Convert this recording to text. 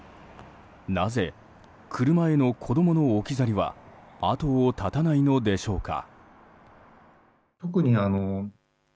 なぜ車への子供の置き去りは後を絶たないのでしょうか。